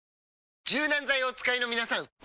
柔軟剤をお使いのみなさん！